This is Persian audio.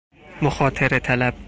مخاطره طلب